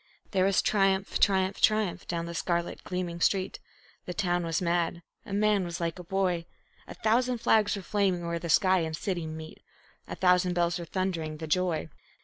There was triumph, triumph, triumph down the scarlet gleaming street; The town was mad; a man was like a boy. A thousand flags were flaming where the sky and city meet; A thousand bells were thundering the joy.